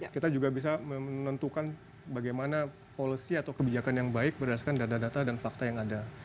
kita juga bisa menentukan bagaimana policy atau kebijakan yang baik berdasarkan data data dan fakta yang ada